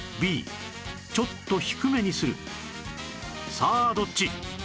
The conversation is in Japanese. さあどっち？